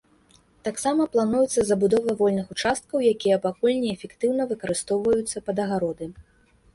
Таксама плануецца забудова вольных участкаў, якія пакуль неэфектыўна выкарыстоўваюцца пад агароды.